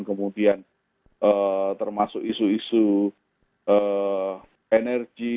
kemudian termasuk isu isu energi